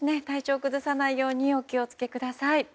体調を崩さないようにお気を付けください。